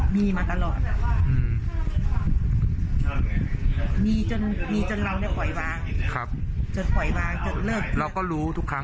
มีมาตลอดมีจนมีจนเราได้ปล่อยวางจนปล่อยวางจนเลิกเราก็รู้ทุกครั้ง